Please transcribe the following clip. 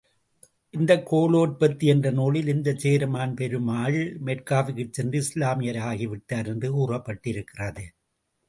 இன்னும் கோளோற்பத்தி என்ற நூலிலே, இந்தச் சேரமான் பெருமாள், மெக்காவிற்குச் சென்று இஸ்லாமியராகி விட்டார் என்று கூறப்பட்டிருக்கிறது.